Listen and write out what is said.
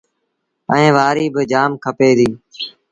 ائيٚݩ وآريٚ باجآم کپي ديٚ۔